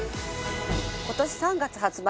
今年３月発売。